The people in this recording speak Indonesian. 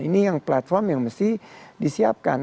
ini yang platform yang mesti disiapkan